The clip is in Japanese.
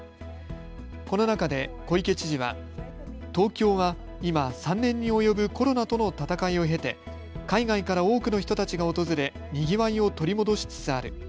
この中で小池知事は東京は今、３年に及ぶコロナとの闘いを経て海外から多くの人たちが訪れにぎわいを取り戻しつつある。